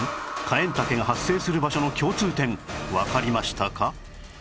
カエンタケが発生する場所の共通点わかりましたか？